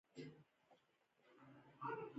دا د هر فرد په عیني وجود کې نغښتی.